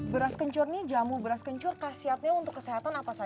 beras kencur nih jamu beras kencur khasiatnya untuk kesehatan apa saja